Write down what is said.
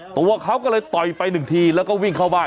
ตัวเขาก็เลยต่อยไปหนึ่งทีแล้วก็วิ่งเข้าบ้าน